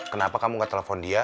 kenapa kamu gak telepon dia